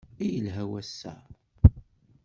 I yelha wass-a!